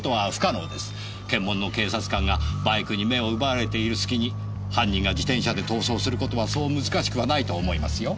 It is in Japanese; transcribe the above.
検問の警察官がバイクに目を奪われているすきに犯人が自転車で逃走する事はそう難しくはないと思いますよ。